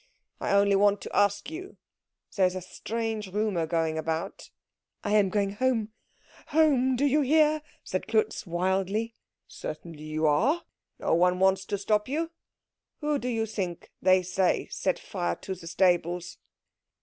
I only want to ask you there is a strange rumour going about " "I am going home home, do you hear?" said Klutz wildly. "Certainly you are. No one wants to stop you. Who do you think they say set fire to the stables?"